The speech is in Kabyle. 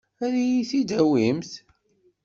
Ad iyi-t-id-tawimt?